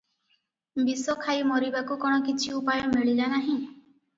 ବିଷଖାଇ ମରିବାକୁ କଣ କିଛି ଉପାୟ ମିଳିଲା ନାହିଁ?